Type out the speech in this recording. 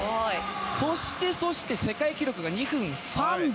そして、世界記録が２分３秒。